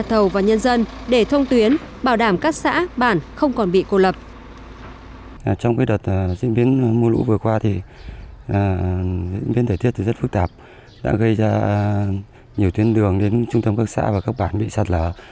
trong đợt diễn biến mưa lũ vừa qua diễn biến thể thiết rất phức tạp đã gây ra nhiều tuyến đường đến trung tâm các xã và các bản bị sạt lở